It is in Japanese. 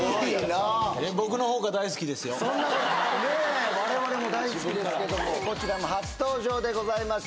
そんなこと我々も大好きですけどもこちらも初登場でございます